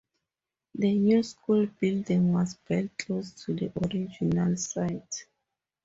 The new school building was built close to the original site.